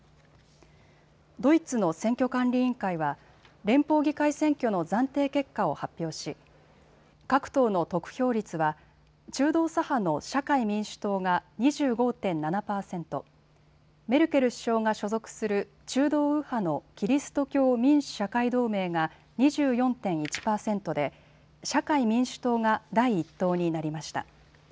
ドイツの選挙管理委員会は連邦議会選挙の暫定結果を発表し、各党の得票率は中道左派の社会民主党が２５．７％、メルケル首相が所属する中道右派のキリスト教民主・社会同盟が２４．１％で社会民主党が第１党になりました。